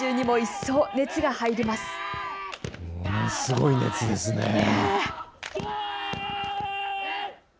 ものすごい熱ですね。